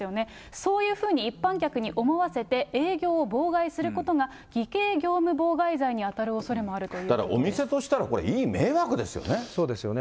そういうふうに一般客に思わせて、営業を妨害することが、偽計業務妨害罪に当たるおそれもあるといだからお店としたら、いい迷そうですよね。